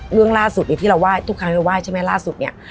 เรื่องล่าสุดที่เราไหว้ทุกครั้งเราไหว้ล่าสุดนี่